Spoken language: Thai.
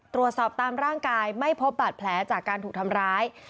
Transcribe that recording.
ตามร่างกายไม่พบบาดแผลจากการถูกทำร้าย